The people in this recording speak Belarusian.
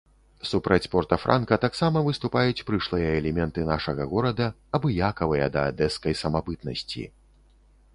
Супраць порта-франка таксама выступаюць прышлыя элементы нашага горада, абыякавыя да адэскай самабытнасці.